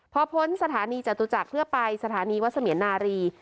พอพ้นสถานีจตุจักรเพื่อไปสถานีวัดเสมียนนารี